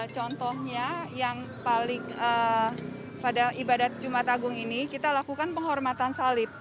contohnya yang paling pada ibadat jumat agung ini kita lakukan penghormatan salib